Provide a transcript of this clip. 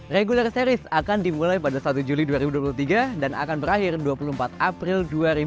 regular series akan dimulai pada satu juli dua ribu dua puluh tiga dan akan berakhir dua puluh empat april dua ribu dua puluh